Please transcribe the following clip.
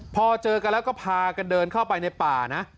พอเจอกันแล้วก็พากันเดินเข้าไปในป่านะ